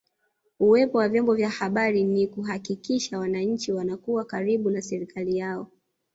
Uwepo wa vyombo vya habari ni kuhakikisha wananchi wanakuwa karibu na serikali yao